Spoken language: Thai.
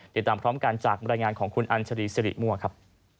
ติดตามพร้อมกันจากบรรยายงานของคุณอัญชรีสิริมั่วครับ